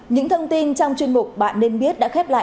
những thông tin trong chuyên mục bạn nên biết ngày hôm nay